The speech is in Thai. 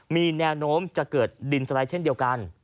มีแนวโน้มจะเกิดดินสไลด์เช่นเดียวกัน